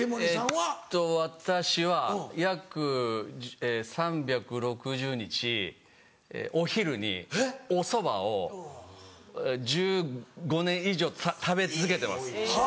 えっと私は約３６０日お昼におそばを１５年以上食べ続けてます。